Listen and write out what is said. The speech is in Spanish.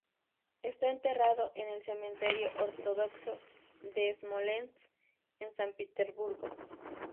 Está enterrado en el cementerio ortodoxo de Smolensk, en San Petersburgo.